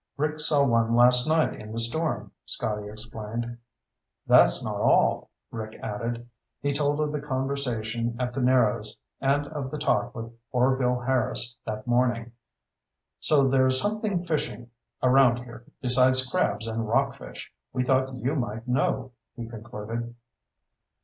"Rick saw one last night in the storm," Scotty explained. "That's not all," Rick added. He told of their conversation at the Narrows and of the talk with Orvil Harris that morning. "So there's something fishy around here besides crabs and rockfish. We thought you might know," he concluded.